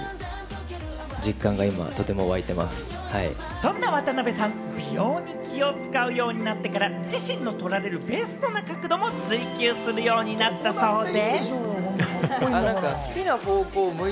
そんな渡辺さん、美容に気を使うようになってから自身の撮られるベストな角度も追求するようになったそうで。